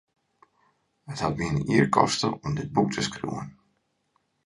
It hat my in jier koste om dit boek te skriuwen.